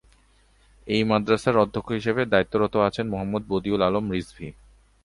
এই মাদ্রাসার অধ্যক্ষ হিসেবে দায়িত্বরত আছেন মুহাম্মদ বদিউল আলম রিজভী।